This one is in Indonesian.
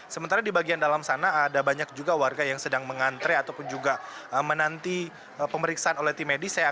sementara di bagian dalam sana ada banyak juga warga yang sedang mengantre ataupun juga menanti pemeriksaan oleh tim medis